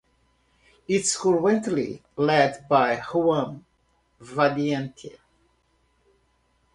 It is currently led by Juan Valiente.